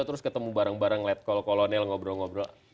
terus ketemu bareng bareng letkol kolonel ngobrol ngobrol